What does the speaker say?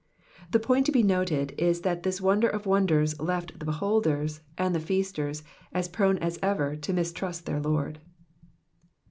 The point to be noted is that this wonder of wonders left the beholders, and the f casters, as prone as ever to mistrust their Lord.